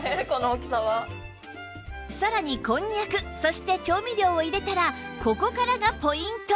さらにこんにゃくそして調味料を入れたらここからがポイント！